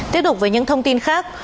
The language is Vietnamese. tiếp tục với những thông tin khác